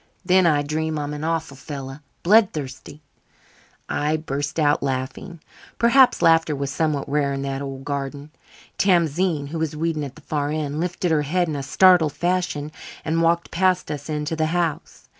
Then I dream I'm an awful fellow blood thirsty." I burst out laughing. Perhaps laughter was somewhat rare in that old garden. Tamzine, who was weeding at the far end, lifted her head in a startled fashion and walked past us into the house.